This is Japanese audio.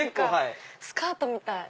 スカートみたい。